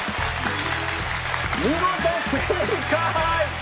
見事正解！